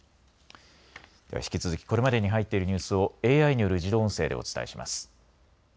引き続きこれまでに入っているニュースをＡＩによる自動音声でお伝えします。